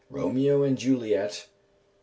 Romeo and Juliet, III.